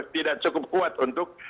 tidak cukup kuat untuk